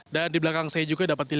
dan di belakang saya juga dapat dilihat